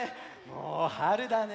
もうはるだね！